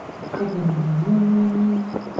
The language of the village is still largely Welsh.